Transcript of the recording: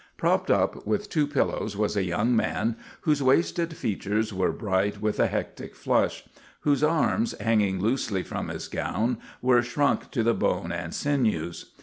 Propped up with two pillows was a young man whose wasted features were bright with a hectic flush; whose arms, hanging loosely from his gown, were shrunk to the bone and sinews.